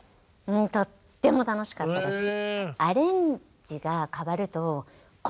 うんとっても楽しかったです。